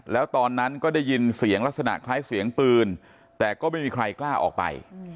แล้วตอนนั้นก็ได้ยินเสียงลักษณะคล้ายเสียงปืนแต่ก็ไม่มีใครกล้าออกไป